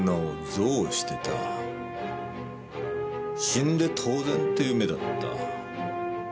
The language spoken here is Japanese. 死んで当然っていう目だった。